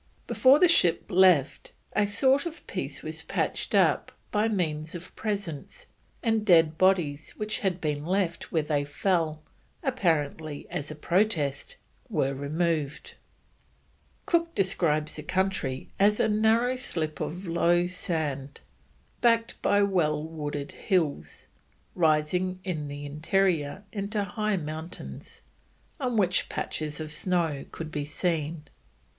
Before the ship left, a sort of peace was patched up by means of presents, and the dead bodies which had been left where they fell, apparently as a protest, were removed. Cook describes the country as a narrow slip of low sand, backed by well wooded hills, rising in the interior into high mountains, on which patches of snow could be seen.